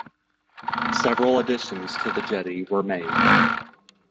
Several additions to the jetty were made.